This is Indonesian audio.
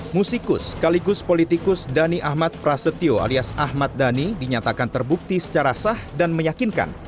musikus sekaligus politikus dhani ahmad prasetyo alias ahmad dhani dinyatakan terbukti secara sah dan meyakinkan